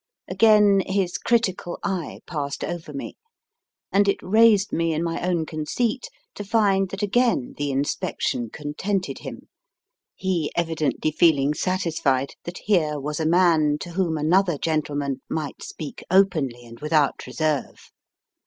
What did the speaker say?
Again his critical eye passed over me, and it raised me in my own conceit to find that again the inspection contented him, he evidently feeling satisfied that here was a man to whom another gentleman might speak openly and without reserve.